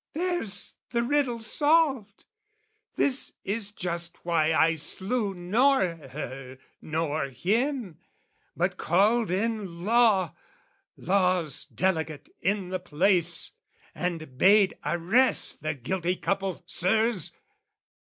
There's the riddle solved: This is just why I slew nor her nor him, But called in law, law's delegate in the place, And bade arrest the guilty couple, Sirs!